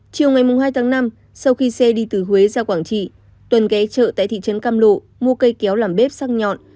chiều ngày hai tháng năm sau khi xe đi từ huế ra quảng trị tuần ghé chợ tại thị trấn cam lộ mua cây kéo làm bếp xăng nhọn